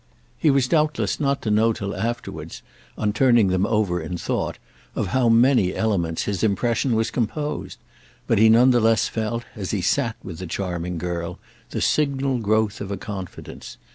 He was doubtless not to know till afterwards, on turning them over in thought, of how many elements his impression was composed; but he none the less felt, as he sat with the charming girl, the signal growth of a confidence.